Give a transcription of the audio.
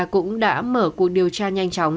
cũng đã mở cuộc điều tra nhanh chóng